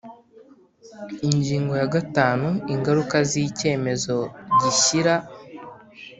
Ingingo ya gatanu Ingaruka z icyemezo gishyira